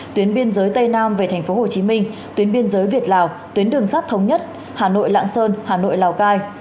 tuyến biên giới tây nam về tp hcm tuyến biên giới việt lào tuyến đường sát thống nhất hà nội lạng sơn hà nội lào cai